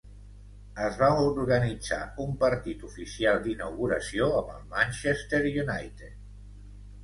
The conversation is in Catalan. Es va organitzar un partit oficial d'inauguració amb el Manchester United.